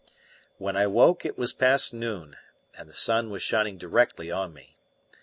When I woke, it was past noon, and the sun was shining directly on me.